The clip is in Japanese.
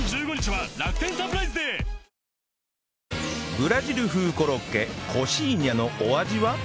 ブラジル風コロッケコシーニャのお味は？